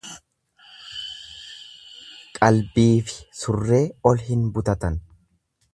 Qalbiifi surree ol hin butatan.